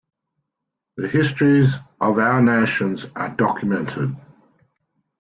The histories of our nations are documented.